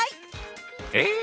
え⁉